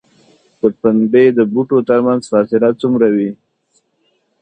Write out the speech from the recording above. د پنبې د بوټو ترمنځ فاصله څومره وي؟